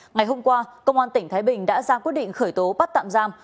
ngày hôm qua công an tỉnh thái bình đã ra quyết định khởi tố bắt tạm giam